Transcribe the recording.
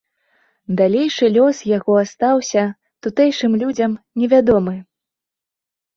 Далейшы лёс яго астаўся тутэйшым людзям невядомы.